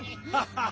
ハハハ！